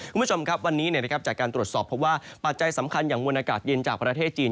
คุณผู้ชมครับวันนี้จากการตรวจสอบเพราะว่าปัจจัยสำคัญอย่างมวลอากาศเย็นจากประเทศจีน